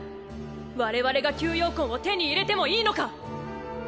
我々が吸妖魂を手に入れてもいいのか？